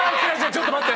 ちょっと待って。